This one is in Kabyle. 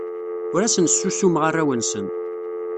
Ur asen-ssusumeɣ arraw-nsen.